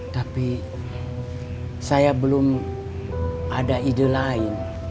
tapi saya belum ada ide lain